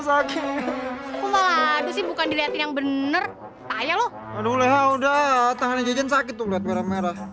aku waduh sih bukan dilihat yang bener kayak lu udah tangan saja sakit merah merah